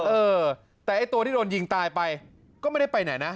เออแต่ไอ้ตัวที่โดนยิงตายไปก็ไม่ได้ไปไหนนะ